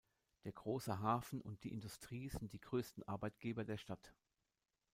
Der große Hafen und die Industrie sind die größten Arbeitgeber der Stadt.